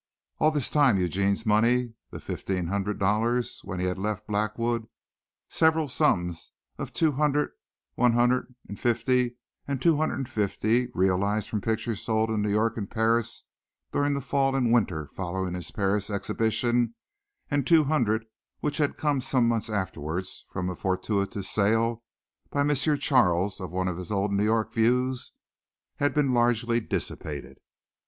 All this time Eugene's money, the fifteen hundred dollars he had when he left Blackwood, several sums of two hundred, one hundred and fifty and two hundred and fifty, realized from pictures sold in New York and Paris during the fall and winter following his Paris exhibition, and two hundred which had come some months afterward from a fortuitous sale by M. Charles of one of his old New York views, had been largely dissipated.